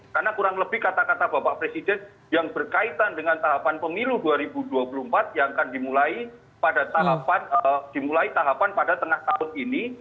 karena kurang lebih kata kata bapak presiden yang berkaitan dengan tahapan pemilu dua ribu dua puluh empat yang akan dimulai pada tahapan dimulai tahapan pada tengah tahun ini